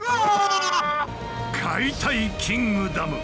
解体キングダム。